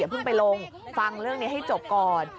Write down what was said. เพิ่งไปลงฟังเรื่องนี้ให้จบก่อน